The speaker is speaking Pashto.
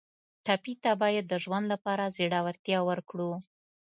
ټپي ته باید د ژوند لپاره زړورتیا ورکړو.